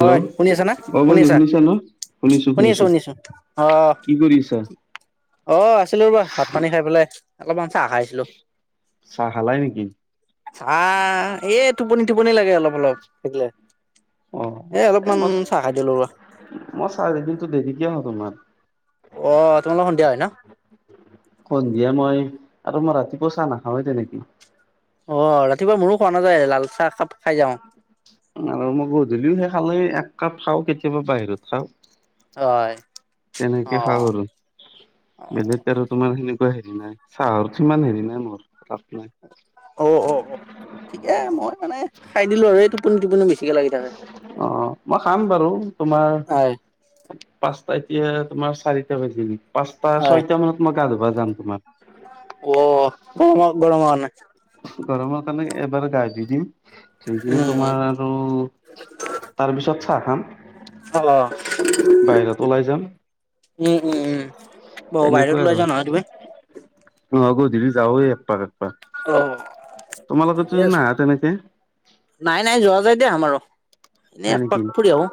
হয় হেল্ল' শুনি আছা নে অ শুনি বন্ধু আছা? শুনিছা ন শুনিছো শুনি আছো শুনিছো শুনি আছো আহ কি কৰি আছা অ আছিলো ৰ'বা ভাত পানী খাই পেলাই অলপমান চাহ খাইছিলো। চাহ খালাই নেকি? চাহ এই টোপনি টোপনি লাগে অলপ অলপ সেইকাৰণে। অ এ অলপমান চাহ খাই দিলো ৰ'বা। মই চাহ কিন্তু দেৰিকে খাও তোমাৰ। অ তোমালোকৰ সন্ধিয়া হয় না? সন্ধিয়া মই আৰু মই ৰাতিপুৱা চাহ নাখাওৱে তেনেকে। অ ৰাতিপুৱা মোৰো খোৱা নাযায় লাল চাহ একাপ খাই যাওঁ আৰু মই গধূলিও সেই খালে একাপ খাও কেতিয়াবা বাহিৰত খাওঁ। হয়। অ' তেনেকে খাওঁ আৰু। বেলেগে আৰু তোমাৰ সেনেকুৱা হেৰি নাই চাহৰ ইমান হেৰি নাই মোৰ ৰাপ নাই অ অ অ ঠিকে মই মানে খাই দিলো আৰু এই টোপনি টোপনি বেছি অঁ মই খাম বাৰু তোমাৰ হয় পাঁচটা এতিয়া তোমাৰ চাৰিটা বাজিল পাঁচটা হয় ছয়টা মানত মই গা ধুবা যাম তোমাৰ অ গৰম গৰমৰ কাৰণে গৰমৰ কাৰণে এবাৰ গা ধুই দিম ধুই কেনে তোমাৰ উম আৰু তাৰপিছত চাহ খাম। অহ। বাহিৰত ওলাই যাম উম উম, বৰ বাহিৰত ওলাই যোৱা নহয় তমি? অঁ গধূলি যাওঁৱেই একপাক একপাক। অ। তোমালোকতো ঠিকে আছে। নাহা তেনেকে? নাই নাই যোৱা যায় দিয়া আমাৰো এনেই হয় এক নেকি পাক ফুৰি আহো।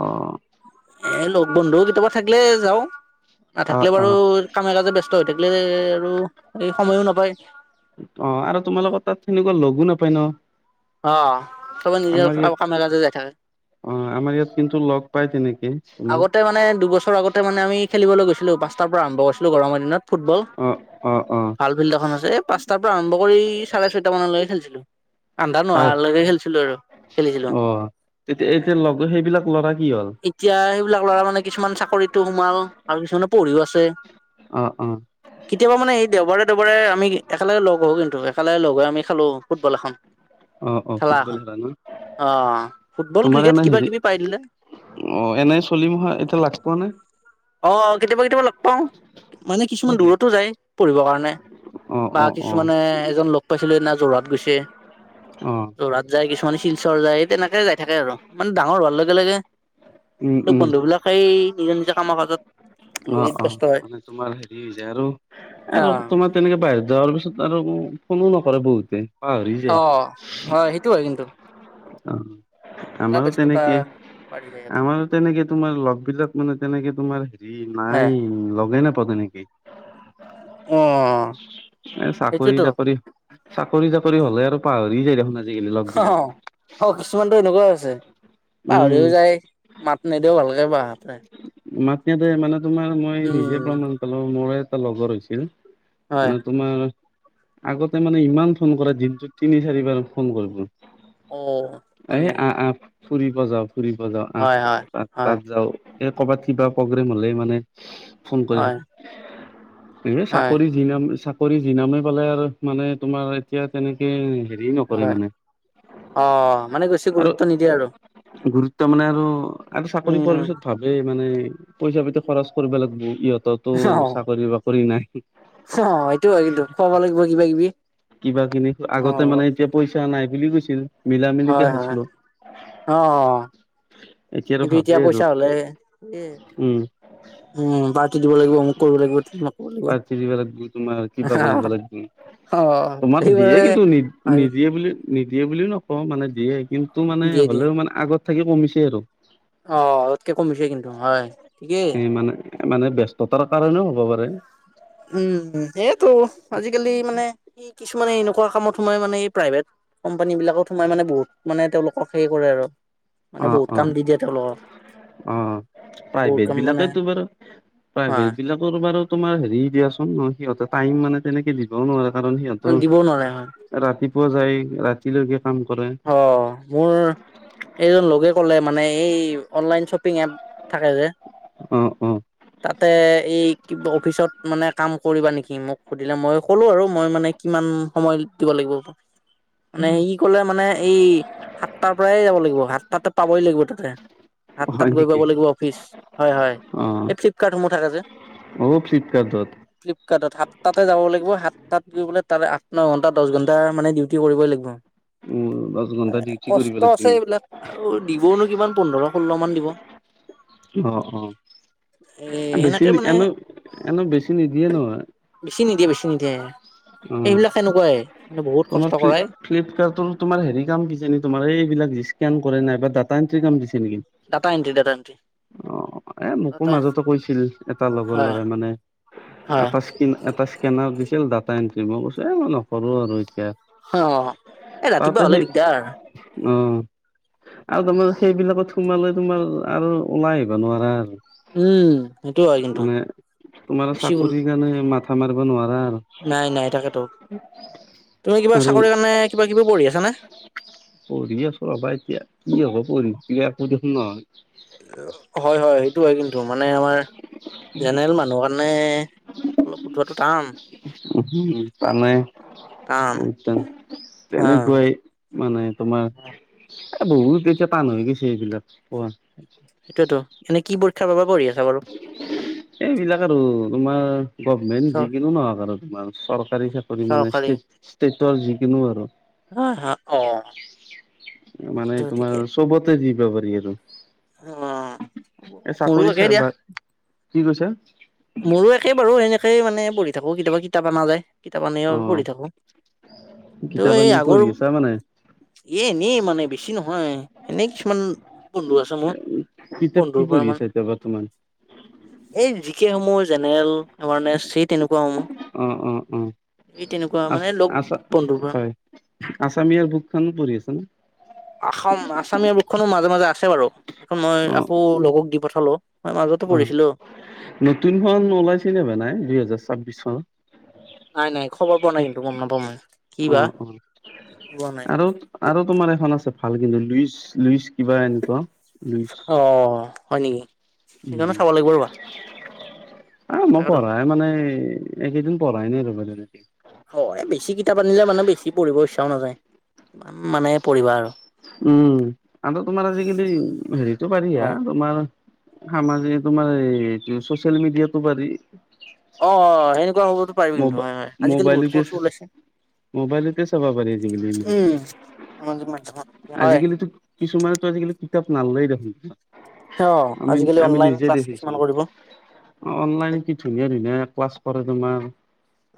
অ এ লগ বন্ধু কেতিয়াবা থাকিলে যাওঁ অ নাথাকিলে অ বাৰু কামে কাজে ব্যস্ত হৈ থাকিলে আৰু এই সময়ো নাপায় অঁ আৰু তোমালোকৰ তাত সেনেকুৱা লগো নাপায় ন? অ চবে নিজৰ কামে কাজে যাই থাকে। অঁ আমাৰ ইয়াত কিন্তু লগ পাই তেনেকে। তোমাৰ আগতে মানে দুবছৰ আগতে মানে আমি খেলিবলৈ গৈছিলো, পাঁচটাৰ পৰা আৰম্ভ কৰিছিলো গৰমৰ দিনত ফুটবল। অঁ। ভাল ফিল্ড এখন আছে এই পাঁচ তাৰ পৰা আৰম্ভ কৰি চাৰে ছয়টা মানলৈ খেলিছিলোঁ আন্ধাৰ তাত নোহোলৈকে খেলিছিলোঁ আৰু খেলিছিলোঁ। অ তেতিয়া এতিয়া লগ সেইবিলাক ল'ৰা কি হ'ল? এতিয়া সেইবিলাক ল'ৰা মানে কিছুমান চাকৰিতো সোমাল, আৰু কিছুমানে পঢ়িও আছে। অ', অ'। কেতিয়াবা মানে এই দেওবাৰে দেওবাৰে আমি একেলগে লগ হওঁ কিন্তু একেলগে লগ হৈ আমি খেলোঁ ফুটবল এখন অ অ খেলা ফুটবল এখন ন অ', ফুটবল, তোমাৰ ক্ৰিকেট এনে কিবা হেৰি কিবি পাই দিলে। অ', এনেই চলিম হয়, এতিয়া লাগ পোৱা নাই। অ', কেতিয়াবা কেতিয়াবা লগ পাওঁ। মানে কিছুমান নে দূৰতো যায় পঢ়িবৰ কাৰণে অ বা অ অ কিছুমানে এজন লগ পাইছিলোঁ এইদিনা যোৰহাট গৈছে। অ'। যোৰহাট যায় কিছুমান শিলচৰ যায় তেনেকে যায় থাকে আৰু মানে ডাঙৰ হোৱাৰ লগে, লগে উম এই উম বন্ধুবিলাক‌ এই নিজৰ, নিজৰ কামৰ মাজত অ', অ', মানে তোমাৰ হেৰি হৈ যায় আৰু, অ আৰু তোমাৰ তেনেকে বাহিৰ যোৱাৰ পিছত আৰু ফোনো নকৰে বহুতে পাহৰি যায়। টো হয়, কিন্তু। অ', পুৰা আমাৰো ব্যস্ততা তেনেকেই বাঢ়ি যায় সিহঁতৰ আমাৰো তেনেকে তোমাৰ লগবিলাক মানে তেনেকে তোমাৰ হেৰি হে নাই। লগেই নেপাওঁ তেনেকেই এ, অ চাকৰি সেইটোৱেতো তাকৰি চাকৰি তাকৰি হ'লে আৰু পাহৰি যায়, দেখোন আজি অহ, অ', কিছুমানতো এনেকুৱাও আছে উম পাহৰিও যায়। মাত নিদিয়েও ভালকে [unintelligible] মাত [unintelligible] মানে তোমাৰ মই নিজে উম প্ৰমাণ পালোঁ মোৰে এটা লগৰ হৈছিল হয় মানে তোমাৰ আগতে মানে ইমান ফোন কৰে দিনটোত তিনি চাৰিবাৰ ফোন কৰিব। অ এ, হয় নেকি আ, আ, ফুৰিব যাওঁ, ফুৰিব যাওঁ আ, হয় হয় তাত হয় তাত যাওঁ। এ কৰ'বাত কিবা প্ৰগ্ৰেম হ'লে মানে ফোন কৰি হয় থাক এই হয় চাকৰি [unintelligible] চাকৰি যি নামে পালে আৰু মানে তোমাৰ এতিয়া তেনেকে হেৰি নকৰে হয় মানে। অ', মানে বেছি আৰু গুৰুত্ব নিদিয়ে আৰু। গুৰুত্ব মানে আৰু আৰু চাকৰি পোৱাৰ উম পিছত ভাব মানে পইচা পাতি খৰচ কৰিব লাগব ইহঁতৰতো অ চাকৰি বাকৰি নাই। অ', এইটো হয়, কিন্তু খোৱাব লাগিব কিবা কিবি। কিবা কিনি অ আগতে মানে এতিয়া পইচা নাই বুলি কৈছিল মিলা মিলিকে হয় হয় খাইছিলোঁ। অ', অ'। এতিয়া আৰু ভাবেই আৰু উম। উম পাৰ্টি দিব লাগিব অমুক কৰিব লাগিব তমুক কৰিব পাৰ্টি দিব লাগব তোমাৰ কিবা লাগিব কৰিব [unintelligible] অ তোমাৰ দিয়ে সেইবাবে কিন্তু হয় নি-নিদিয়ে বুলি নিদিয়ে বুলিও নকওঁ, মানে দিয়ে কিন্তু মানে দিয়ে দিয়ে হ'লেও মানে আগত থাকি কমিছে আৰু। অ', আগতকে কমিছে কিন্তু হয়, ঠিকেই। সেই মানে মানে ব্যস্ততাৰ কাৰণেও হ'ব পাৰে। উম, এইটো আজিকালি মানে ই কিছুমানে এনেকুৱা কামত সোমাই মানে এই প্ৰাইভেত কোম্পানী বিলাকত সোমাই মানে বহুত মানে তেওঁলোকক সেই কৰে আৰু। মানে অ বহুত অ কাম দি দিয়ে তেওঁলোকক। অ', বহুত প্ৰাইভেত কাম মানে বিলাকেইতো বাৰু হয় প্ৰাইভেত বিলাক [unintelligible] বাৰো তোমাৰ হেৰি দিয়াচোন ন, সিহঁতে টাইম মানে। তেনেকে দিবও নোৱাৰে কাৰণ দিবও নোৱাৰে হয় সিহঁতৰ ৰাতিপুৱা যায় ৰাতিলৈকে কাম কৰে। অ, মোৰ এইজন লগে ক'লে মানে এই অনলাইন শ্বপিং এপ থাকে যে। অ', অ'। তাতে এই কিবা অফিচত মানে কাম কৰিবা নেকি, মোক সুধিলে মই ক'লো আৰু মই মানে কিমান সময় দিব লাগিব। আ, মানে হে কি কলে? মানে এই সাতটাৰ পৰাই যাব লাগিব। সাতটাতে পাবই লাগিব তাতে। সাতটাত হয় গৈ পাব নেকি লাগিব। অফিচ হয়, হয়, অ এই ফ্লিপকাৰ্টসমূহ থাকে যে। অ [unintelligible] ফ্লিপকাৰ্টত সাতটাতে যাব লাগিব, সাতটাত গৈ পেলাই লে তাত আঠ ন ঘণ্টা, দহ ঘণ্টা মানে ডিউটি কৰিবই লাগিব। উ, দচ ঘন্ণ্টা ডউটি কৰিব কষ্ট আছে লাগি। এইবিলাক আৰু দিবওনো কিমান পোন্ধৰ, ষোল্ল মান দিব। অ', অ'। এ বেছি সেনেকে মানে এনে, এনে, বেছি নিদিয়ে নহয়। বেছি নিদিয়ে বেছি নিদিয়ে অ এইবিলাক সেনেকুৱাই মানে বহুত কষ্ট কৰা। ফ্লিপকাৰ্ট তৰ তোমাৰ হেৰি কাম দিছে নে, তোমাৰ এইবিলাক স্কেন কৰে নাই বা ডাটা এন্ট্ৰি কাম দিছে নেকি। Data entry, data entry. অ, এ, মোকো ডাটা মাজতে কৈছিল এটা লগৰ হয় ল'ৰা মানে। হয় এটা, এটা স্কেনাৰ দিছিল ডাটা এন্ট্ৰি মই কৈছো, এ, মই নকৰো আৰু এতিয়া। অ, এ, তাতে ৰাতিপুৱা সেই হ'লে দিগদাৰ। অ, আৰু তোমাৰ সেইবিলাকত সোমালে তোমাৰ আৰু ওলাই আহিব নোৱাৰা আৰু। উম, সেইটো হয় কিন্তু বেছি হ'ল। সেইকাৰণে মাথা মাৰিব নোৱাৰা আৰু। নাই, নাই, তাকে, তোক, তুমি কিবা আৰু চাকৰিৰ কাৰণে কিবা, কিবি পঢ়ি আছা নে? পঢ়ি আছো ৰ'বা। এতিয়া কি হব পঢ়ি একো দেখোন নহয়। হয়, হয়, সেইটো হয়, কিন্তু মানে আমাৰ জেনেৰেল মানুহৰ কাৰণে অলপ উঠোৱাটো টান। অহ। মানে টান বহুত হা তেনেকুৱাই। মানে তোমাৰ এ, বহুত এতিয়া টান হৈ গৈছে, এইবিলাক কোৱা? সেইটোয়েতো এনে কি বোৰ্ত [unintelligible] এইবিলাক আৰু তোমাৰ গভমেন্ট চৰ যিকোনো নহক আৰু। চৰকাৰী, চাকৰি মানে চৰকাৰী ষ্টেটৰ যিকিনো আৰু হয় হয় অ মানে তাকেতো ঠিকে তোমাৰ চবতে দিবা পাৰি আৰু। অ, এ সৰু চাকৰি একে চাই দিয়া। বা কি কৈছে? মোৰো একে বাৰু সেনেকেই মানে পঢ়ি থাকোঁ কেতিয়াবা কিতাপ অনা যায়। কিতাপ আনি অ' পঢ়ি থাকো। কিন্তু কিতাপ এই আনি আগৰ পঢ়ি আছা মানে? এ, এনেই মানে বেছি নহয়। এনেই কিছুমান বন্ধু আছে মোৰ। কিতাপ কি বন্ধুৰ পৰা পঢ়ি মানে আছে, এতিয়া বৰ্তমান। এই জিকেই সমূহ জেনেৰেলে [unintelligible] চিট। তেনেকুৱাও অ' অ' অ' সমূহ এই তেনেকুৱা আ মানে লগ আছা বন্ধুবোৰ। হয় আছামিয়াৰ বুক খনো পঢ়িছোন। আসাম আসামীয়া বোকখনো মাজে, মাজে আছে বাৰু, সেইখন মই অ' আকৌ লগক দি পঠালো। মই মাজতো পঢ়িছিলো। নতুনখনন ওলাইছে নে বা নাই দুহেজাৰ ছাব্বিশ চনত। নাই, নাই, খবৰ পোৱা নাই কিন্তু, গম নাপাম ময়। অঁ' অঁ' আৰু- আৰু তোমাৰ এখন আছে ভাল কিন্তু লুইচ লুইচ কিবা এনেকুৱা। লুইচ অঁ হয় নেকি? সেইকাৰণে উম' চাব লাগিব ৰবা এহ মই তাকেতো পঢ়াই- নাই মানে এইকেইদিন পঢ়াই নাই ৰ'বা তেনেকে। অ' এ বেছি কিতাপ আনিলে মানে বেছি পঢ়িব ইচ্ছাও নাযায়, কিমান মানে পঢ়িবা আৰু। উম' আৰু তোমাৰ আজিকালি হেৰিটো পাৰি হাঁ হয় তোমাৰ- আমাৰ যে তোমাৰ এইটো চচিয়েল মিডিয়াটো পাৰি। অঁ অঁ সেনেকুৱা হবোটো পাৰি কিন্তু, ম'বা হয় হয়, আজিকালি বহুত মোবাইলতে কৰ্চো ওলাইছে। মোবাইলতে চাব পাৰি আজিকালি, উম সামাজিক মাধ্যমত হয় আজিকালিটো- কিছুমানেতো আজিকালি কিতাপ নললেই অ দেখোন। আমি আজিকালি আমি অনলাইন নিজেই ক্লাছ কিছুমান দেখিছো। কৰিব হয় অনলাইন কি ধুনীয়া ধুনীয়া ক্লাছ কৰে তোমাৰ।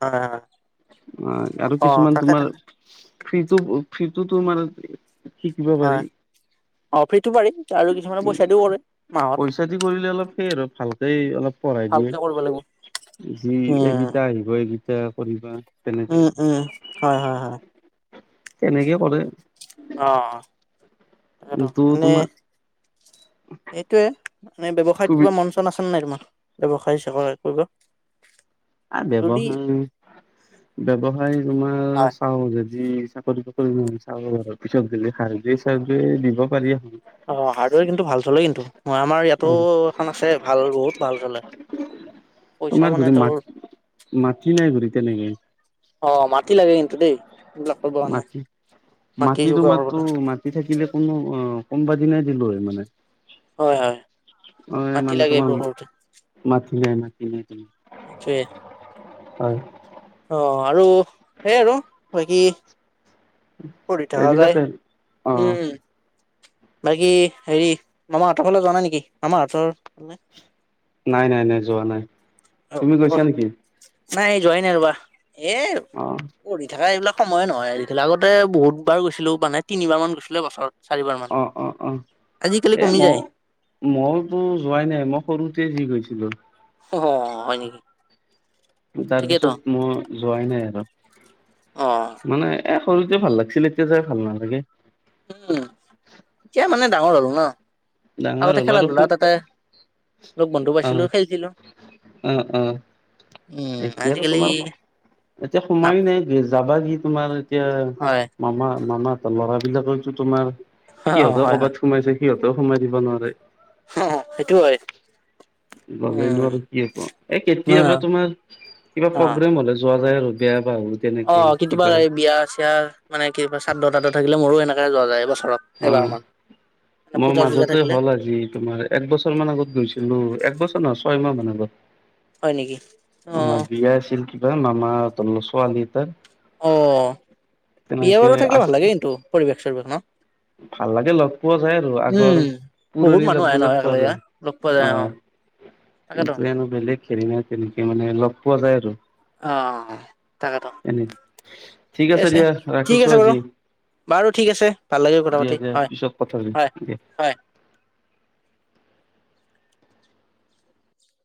হয় হয়। অঁ' আৰু অ কিছুমান তাকে তোমাৰ তাকে ফ্ৰিটো ফ্ৰিটো তোমাৰ- শিকিব পাৰি। হয়। অ ফ্ৰীটো পাৰি আৰু কিছুমানে উম পইচা দিও কৰে মাহত পইচা দি কৰিলে অলপ সেই আৰু ভাল। তেই অলপ পঢ়াই দিয়ে ভালকে কৰিব লাগিব। যি উম এইকেইটা আহিব এইকেইটা কৰিবা। তেনেকে উম উম' হয় হয় হয়। তেনেকে কৰে অঁ অঁ তাকেটো কিন্তু তোমাৰ এনে- সেইটোৱে মানে ব্যৱসায়ত সুবি কিবা মন চন আছে নে নাই তোমাৰ ব্যৱসায় স্যবসায় কৰিব? আ যদি ব্যৱসায় ব্যৱসায় তোমাৰ হয় চাওঁ যদি চাকৰিটো- কৰি লয় চাওঁ আৰু পিছত যদি হাৰ্ডৱেৰ চাৰ্ডৱেৰ দিব পাৰি এখন। অঁ' হাৰ্ডৱেৰ কিন্তু ভাল চলে কিন্তু, অঁ আমাৰ ইয়াতো অ এখন আছে ভাল বহুত ভাল চলে। পইচা তোমাৰ মানে ঘৰি মাত তেওঁৰ- মাটি নাই ঘুৰি তেনেকে। অঁ' মাটি লাগে কিন্তু দেই। এইবিলাক কৰিব কাৰণে মাটি, মাটি যোগাৰ তোমাৰটো কৰিবলৈ মাত- টি থাকিলে কোনো অঁ কোনোবাদিনাই দিলো হয় মানে। হয় হয়, অ মাটি মানে লাগে তোমাৰ এইবোৰ কৰোতে। মাটি নাই মাটি নাই তেনে। সেটোৱে। হয়। অঁ' আৰু সেই আৰু বাকী- পঢ়ি থকা যায়, এইবিলাকে অ উম'। বাকী হেৰি মামাহঁতৰ ফালে যোৱা নাই নেকি? মামাহঁতৰ ফালে। নাই নাই নাই যোৱা নাই। অ তুমি গৈছা অ' নেকি নাই এই যোৱাই নাই ৰবা, এই- অ পঢ়ি থাকা এইবিলাক সময়ে নহয় আজিকালি, আগতে বহুত বাৰ গৈছিলো মানে তিনিবাৰ মান গৈছিলোৱে বছৰত। চাৰিবাৰ মান, অ অ অ আজিকালি এ কমি ম যায়। মইতো যোৱাই নাই মই সৰুতে যি গৈছিলো। অ', হয় নেকি? তাৰ ঠিকেইতো পিছত মই যোৱাই নাই আৰু অ মানে এ সৰুতে ভাল লাগিছিল। এতিয়া যাই ভাল নালাগে। উম', এতিয়া মানে ডাঙৰ হ'ল ন ডাঙৰ আগতে হ'ল খেলা আৰু সু ধূলা তাতে লগ বন্ধু অ পাইছিলো খেলিছিলো। অ অ উম এতিয়াতো আজিকালি তোমাৰ এতিয়া নাপ সময় নাই, যাবা কি তোমাৰ এতিয়া হয় মামা মামাহঁতৰ ল'ৰাবিলাকেওটো তোমাৰ হয় সিহঁতেও হয় হয় ক'বাত সোমাইছে সিহঁতেও সোমাই দিব নোৱাৰে। অ', সেইটো হয়। উম [unintelligible] এ, অ কেতিয়াবা তোমাৰ, কিবা অ প্ৰগ্ৰেম হলে যোৱা যায় আৰু [unintelligible] অ', কেতিয়াবা কিবা বিয়া চিয়া মানে কিবা চাদ্ধ তাদ্দ থাকিলে মোৰো সেনেকে যোৱা যায়। বছৰত অ', মই মাজতে থাকিলে হ'ল আজি তোমাৰ। এক বছৰ মান আগত গৈছিলো। একবছৰ নহয় ছয় মাহ মান আগত। হয় নেকি অ আমাৰ বিয়া আছিল। কিবা মামাহঁতৰ ছোৱালীৰ তাত অ', বিয়া বাৰু থাকিলে আছ ভাল লাগে কিন্তু পৰিৱেশ চৰিবেশ ন ভাল লাগে লগ পোৱা যায়, আৰু উম আগৰ বহুত পুৰণি মানুহ লগ আহে বিলাক নহয় পোৱা একেলগে যায়। লগ পোৱা যায় অ', তাকেতো কিন্তু এনো বেলেগ [unintelligible] তেনেকে মানে লগ পোৱা যায়, আৰু অ', এনে। ঠিক আছে দিয়া [unintelligible] ঠিক ৰাখিছো আছে বাৰু আজি বাৰু ঠিক আছে, ভাল লাগে কথা দিয়া পাতি হয়। হয় [unintelligible] হয়